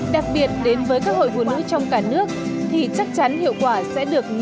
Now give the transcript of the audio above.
đặc biệt đến với các hội phụ nữ trong cả nước thì chắc chắn hiệu quả sẽ được